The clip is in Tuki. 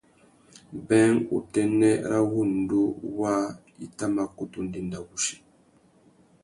Being, utênê râ wŭndú waā i tà mà kutu ndénda wuchi.